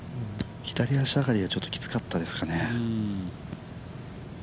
左足上がりは少しきつかったですかね。